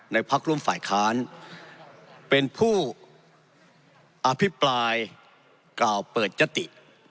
พักร่วมฝ่ายค้านเป็นผู้อภิปรายกล่าวเปิดยติ